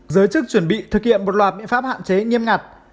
giới chức chuẩn bị thực hiện một loạt biện pháp hạn chế nghiêm ngặt